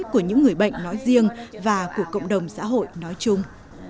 của những người bệnh nói riêng và của cộng đồng xã hội nói chung